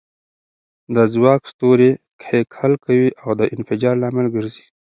دا ځواک ستوري کښیکښل کوي او د انفجار لامل ګرځي.